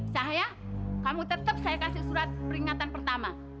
saya kamu tetap saya kasih surat peringatan pertama